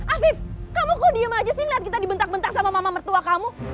afif kamu kok diem aja sih ngeliat kita dibentak bentak sama mama mertua kamu